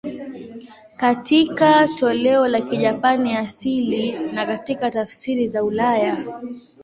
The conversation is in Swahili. Katika toleo la Kijapani asili na katika tafsiri za ulaya.